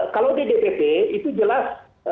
kalau di dpp itu jelas